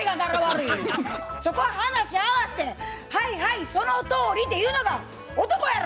そこは話合わせて「はいはいそのとおり」って言うのが男やろ。